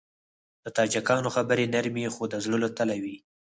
د تاجکانو خبرې نرمې خو د زړه له تله وي.